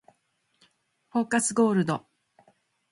フォーカスゴールド